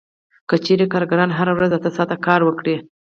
که چېرې کارګران هره ورځ اته ساعته کار وکړي